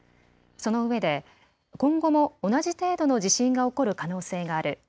そのうえで今後も同じ程度の地震が起こる可能性がある。